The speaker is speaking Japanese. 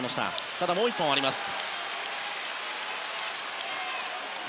ただ、もう１本あります。